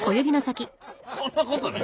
そんなことない。